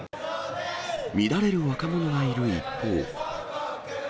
乱れる若者がいる一方。